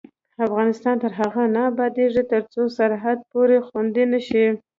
افغانستان تر هغو نه ابادیږي، ترڅو سرحدي پولې خوندي نشي.